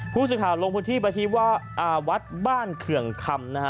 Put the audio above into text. ผู้สื่อข่าวลงพลที่ปฏิวะวัดบ้านเคืองคำนะฮะ